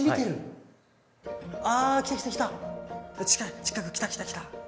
近く来た来た来た。